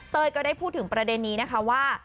ก็ได้พูดถึงประเด็นนี้นะคะว่า